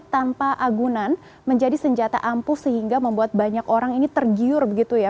tanpa agunan menjadi senjata ampuh sehingga membuat banyak orang ini tergiur begitu ya